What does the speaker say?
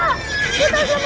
kak di sana kak